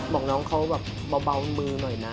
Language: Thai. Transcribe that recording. บอกน้องเขาแบบเบามือหน่อยนะ